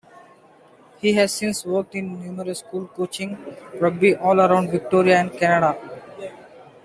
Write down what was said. He has since worked in numerous school coaching rugby all around Victoria and Canada.